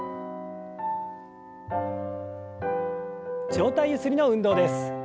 上体ゆすりの運動です。